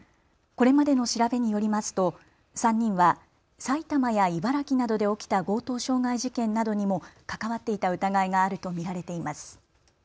これまでの調べによりますと３人は埼玉や茨城などで起きた強盗傷害事件などにも関わっていた疑いがあると見られています。